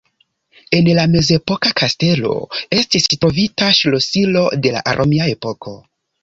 En la mezepoka kastelo estis trovita ŝlosilo de la romia epoko.